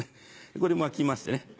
これ巻きましてね